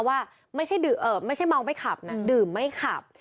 ว่าไม่ใช่เงินไม่ให้ขับดื่มไม่ขับ